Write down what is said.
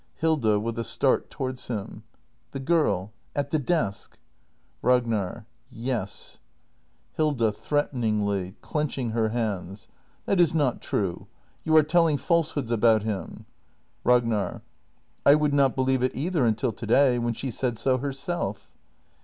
Hilda. [With a start towards him.] The girl at the desk. Ragnar. Yes. act in] THE MASTER BUILDER 413 Hilda. [Threateningly, clenching her hands.] That is not true! You are telling falsehoods about him! Ragnar. I would not believe it either until to day — when she said so herself.